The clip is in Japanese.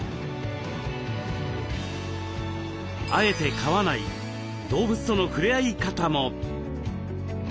あえて飼わない動物とのふれあい方も。